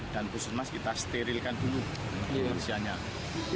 dan puskesmas kita sterilkan dulu